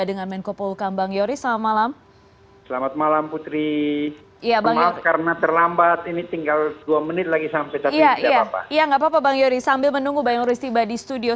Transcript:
dan sudah bergabung melalui dialog